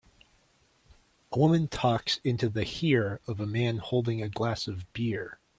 A woman talks into the hear of a man holding a glass of beer.